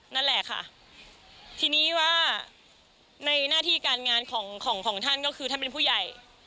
นั่นแหละค่ะทีนี้ว่าในหน้าที่การงานของของท่านก็คือท่านเป็นผู้ใหญ่